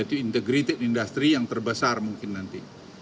jadi integrated industry yang terbesar mungkin nanti